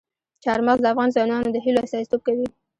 چار مغز د افغان ځوانانو د هیلو استازیتوب کوي.